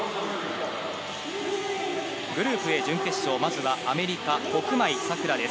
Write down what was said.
グループＡ準決勝、まずはアメリカ、コクマイ・サクラです。